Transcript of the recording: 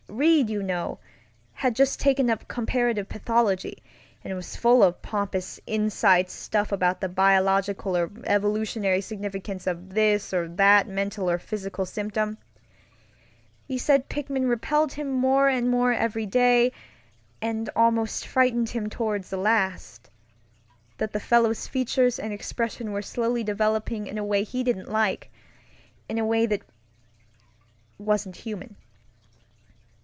Reid, you know, had just taken up comparative pathology, and was full of pompous "inside stuff" about the biological or evolutionary significance of this or that mental or physical symptom. He said Pickman repelled him more and more every day, and almost frightened him toward the lastŌĆöthat the fellow's features and expression were slowly developing in a way he didn't like; in a way that wasn't human.